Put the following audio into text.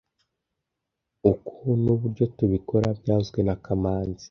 Uku nuburyo tubikora byavuzwe na kamanzi